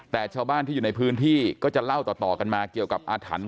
แต่ชาวบ้านที่อยู่ในพื้นที่ก็จะเล่าต่อกันมาเกี่ยวกับอาถรรพ์